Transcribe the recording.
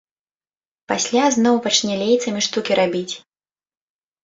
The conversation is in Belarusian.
Пасля зноў пачне лейцамі штукі рабіць.